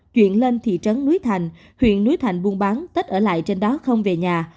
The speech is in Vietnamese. chuyển lên thị trấn núi thành huyện núi thành buôn bán tết ở lại trên đó không về nhà